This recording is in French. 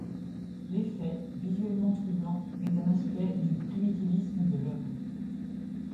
L'effet, visuellement troublant, est un aspect du primitivisme de l'œuvre.